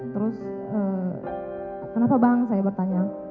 terus kenapa bang saya bertanya